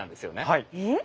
はい。